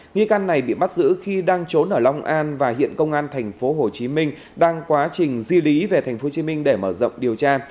nghi can này bị bắt giữ khi đang trốn ở long an và hiện công an thành phố hồ chí minh đang quá trình di lý về thành phố hồ chí minh để mở rộng điều tra